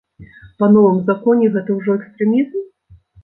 Па новым законе гэта ўжо экстрэмізм?